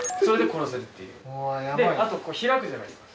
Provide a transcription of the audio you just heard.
であとこう開くじゃないですか。